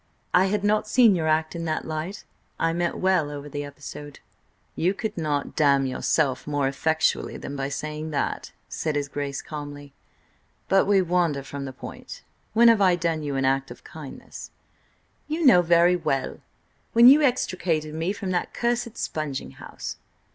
"I had not seen your act in that light. I meant well over the episode." "You could not damn yourself more effectually than by saying that," said his Grace calmly. "But we wander from the point. When have I done you an act of kindness?" "You know very well. When you extricated me from that cursed sponging house."